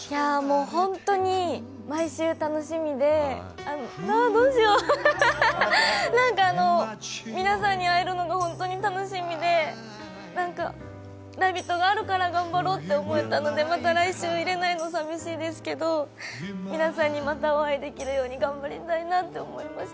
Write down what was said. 本当に毎週楽しみで、わあ、どうしよう何か皆さんに会えるのが本当に楽しみで、「ラヴィット！」があるから頑張ろうって思えたので来週いれないの寂しいですけど、皆さんにまたお会いできるように頑張りたいなと思いました。